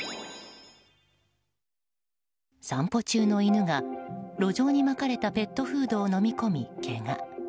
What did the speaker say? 散歩中の犬が、路上にまかれたペットフードを飲み込みけが。